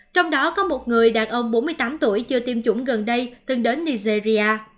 trong đó có một người đàn ông bốn mươi tám tuổi chưa tiêm chủng gần đây từng đến nigeria